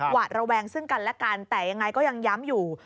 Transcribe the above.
หวาดระแวงซึ่งกันและกันแต่ยังไงก็ยังย้ำอยู่